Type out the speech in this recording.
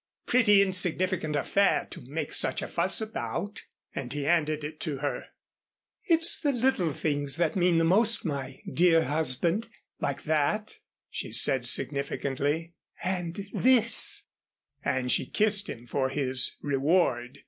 Pretty insignificant affair to make such a fuss about," and he handed it to her. "It's the little things that mean the most, my dear husband like that," she said significantly, "and this," and she kissed him for his reward.